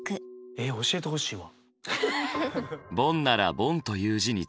えっ教えてほしいわ。